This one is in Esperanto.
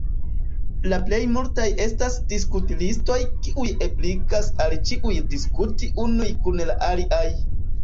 La plej multaj estas "diskut-listoj" kiuj ebligas al ĉiuj diskuti unuj kun la aliaj.